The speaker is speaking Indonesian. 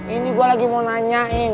ini gue lagi mau nanyain